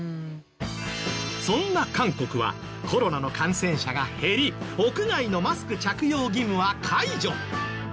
そんな韓国はコロナの感染者が減り屋外のマスク着用義務は解除。